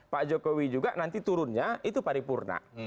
pak jokowi juga nanti turunnya itu paripurna